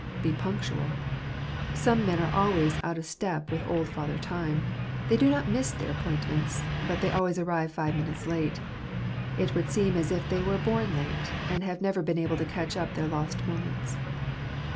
Be punctual . Some men are always out of step with old Father Time. They do not miss their appointments ; but they always arrive five minutes late. It would seem as if they were bom late, and have never been able to catch up their lost moments.